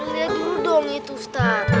lihat dulu dong itu ustadz